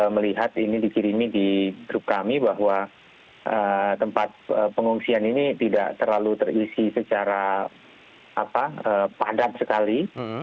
melihat ini dikirimi di grup kami bahwa tempat pengungsian ini tidak terlalu terisi secara padat sekali